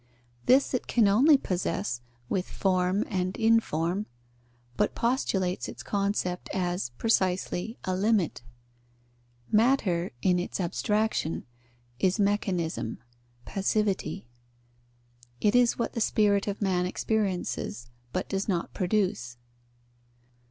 This it can only possess with form and in form, but postulates its concept as, precisely, a limit. Matter, in its abstraction, is mechanism, passivity; it is what the spirit of man experiences, but does not produce.